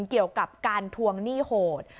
เกี่ยวกับการทวงหนี้โหด